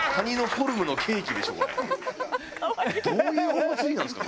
どういうお祭りなんですか？